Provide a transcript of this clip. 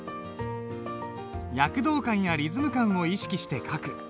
躍動感やリズム感を意識して書く。